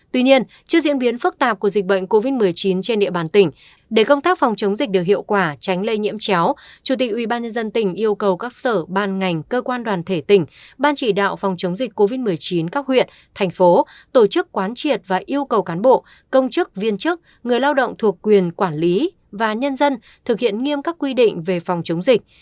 tuy nhiên trước diễn biến phức tạp của dịch bệnh covid một mươi chín trên địa bàn tỉnh để công tác phòng chống dịch được hiệu quả tránh lây nhiễm chéo chủ tịch ubnd tỉnh yêu cầu các sở ban ngành cơ quan đoàn thể tỉnh ban chỉ đạo phòng chống dịch covid một mươi chín các huyện thành phố tổ chức quán triệt và yêu cầu cán bộ công chức viên chức người lao động thuộc quyền quản lý và nhân dân thực hiện nghiêm các quy định về phòng chống dịch